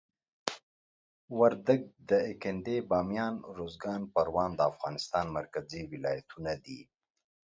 وردګ، دایکندي، بامیان، اروزګان، پروان د افغانستان مرکزي ولایتونه دي.